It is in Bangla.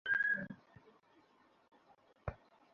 মেরে ফেলুন ওকে!